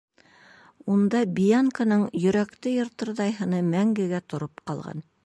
Унда Бианканың йөрәкте йыртырҙай һыны мәңгегә тороп ҡалған.